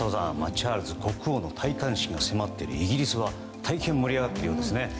チャールズ国王の戴冠式が迫っているイギリスは、大変に盛り上がっているようですね。